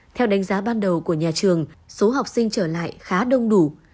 theo đánh giá ban đầu của nhà trường số học sinh trở lại khá đông đủ